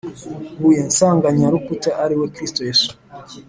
buye nsanganyarukuta ari we kristo yesu